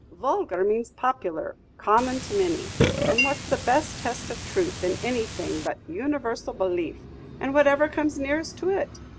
"Vulgar means popular, common to many; and what's the best test of truth in anything but universal belief, or whatever comes nearest to it?